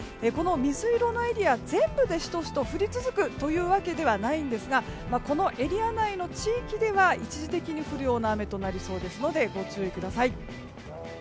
この水色のエリア全部でしとしと降り続くわけではないんですがこのエリア内の地域では一時的に降るような雨となりそうですのでご注意ください。